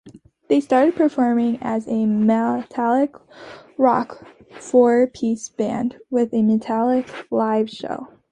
They started performing as a melodic rock four-piece band with a manic live show.